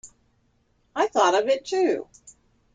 I thought of it too.